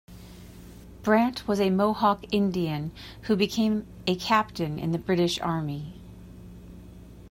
Brant was a Mohawk Indian, who became a captain in the British Army.